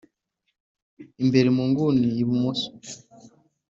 imbere munguni ibumoso